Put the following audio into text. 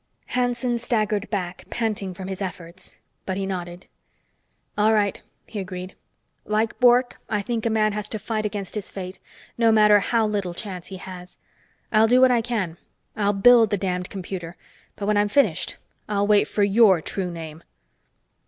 Hanson staggered back, panting from his efforts. But he nodded. "All right," he agreed. "Like Bork, I think a man has to fight against his fate, no matter how little chance he has. I'll do what I can. I'll build the damned computer. But when I'm finished, I'll wait for your true name!"